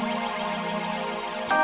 sampai ketemu di surga